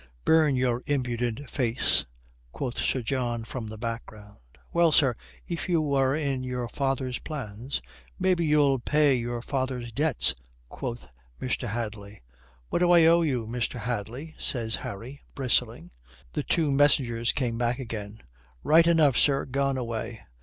"Burn your impudent face," quoth Sir John from the background. "Well, sir, if you were in your father's plans, maybe you'll pay your father's debts," quoth Mr. Hadley. "What do I owe you, Mr. Hadley?" says Harry, bristling. The two messengers came back again. "Right enough, sir, gone away."